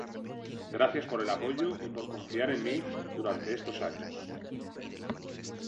Gracias por el apoyo y por confiar en mi durante estos años.